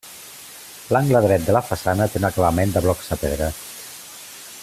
L'angle dret de la façana té un acabament de blocs de pedra.